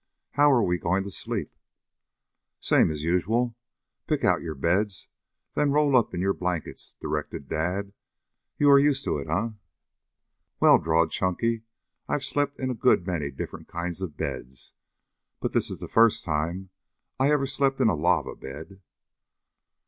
"How are we going to sleep?" "Same as usual. Pick out your beds, then roll up in your blankets," directed Dad. "You are used to it, eh?" "Well," drawled Chunky, "I've slept in a good many different kinds of beds, but this is the first time I ever slept in a lava bed."